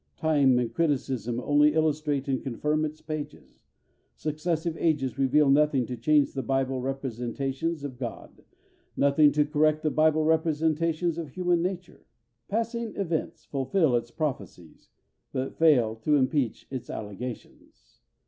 Time and criticism only illustrate and confirm its pages. Successive ages reveal nothing to change the Bible representations of God, nothing to correct the Bible representation of human nature. Passing events fulfill its prophecies, but fail to impeach its allegations.